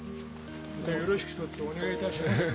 よろしくひとつお願いいたします。